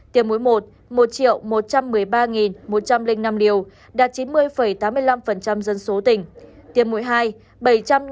tiêm mũi một một một trăm một mươi ba một trăm linh năm liều đạt chín mươi tám mươi năm dân số tỉnh